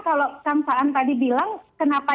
kalau sampa'an tadi bilang kenapa